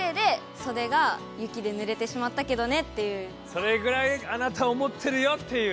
それぐらいあなたを思ってるよっていう。